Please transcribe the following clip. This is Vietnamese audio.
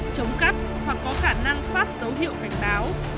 chống cắt hoặc có khả năng phát dấu hiệu cảnh báo